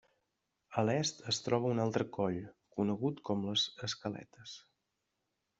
A l'est es troba un altre coll, conegut com les Escaletes.